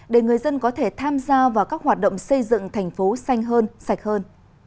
để người dân có thể tham gia vào các hoạt động xây dựng thành phố xanh hơn sạch hơn